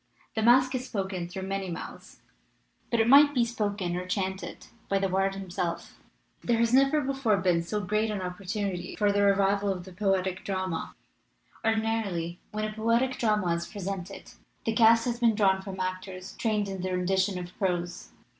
The masque is spoken through many mouths, but it might be spoken or chanted by the bard himself. "There has never before been so great an op 310 MASQUE AND DEMOCRACY portunity for the revival of the poetic drama. Ordinarily when a poetic drama is presented the cast has been drawn from actors trained in the rendition of prose.